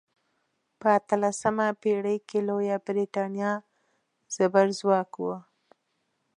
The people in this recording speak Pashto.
په اتلسمه پیړۍ کې لویه بریتانیا زبرځواک وه.